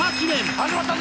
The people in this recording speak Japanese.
始まったぞ！